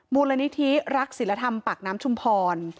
มูลนิธิรักศิลธรรมปากน้ำชุมพร